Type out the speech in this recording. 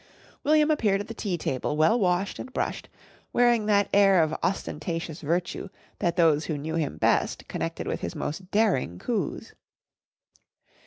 William appeared at the tea table well washed and brushed, wearing that air of ostentatious virtue that those who knew him best connected with his most daring coups.